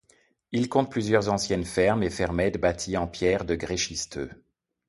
Il compte plusieurs anciennes fermes et fermettes bâties en pierre de grès schisteux.